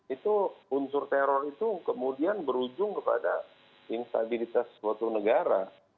itu unsur teror itu kemudian berujung kepada instabilitas suatu negara